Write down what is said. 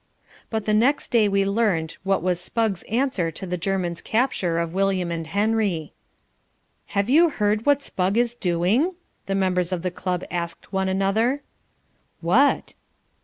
But the next day we learned what was Spugg's answer to the German's capture of William and Henry. "Have you heard what Spugg is doing?" the members of the club asked one another. "What?"